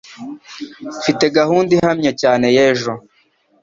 Mfite gahunda ihamye cyane y'ejo.